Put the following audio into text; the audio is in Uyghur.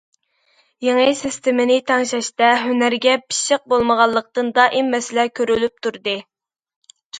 يېڭى سىستېمىنى تەڭشەشتە، ھۈنەرگە پىششىق بولمىغانلىقتىن، دائىم مەسىلە كۆرۈلۈپ تۇردى.